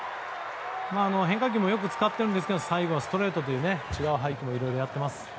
変化球もよく使っていますが最後、ストレートと違う配球もいろいろやってます。